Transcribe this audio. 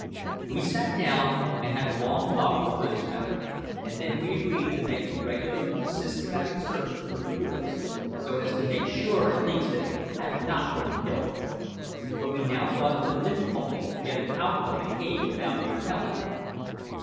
We sat down and had a long talk over this matter, and then we agreed to make a regular, systematic search through the woods, so as to make sure at least that you had not been killed. But now we thought of the difficulty of getting out of the cave without your help.